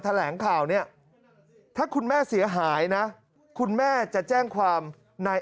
แถลงข่าวเนี่ยถ้าคุณแม่เสียหายนะคุณแม่จะแจ้งความนาย